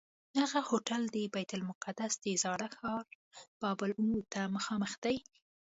هغه هوټل د بیت المقدس د زاړه ښار باب العمود ته مخامخ دی.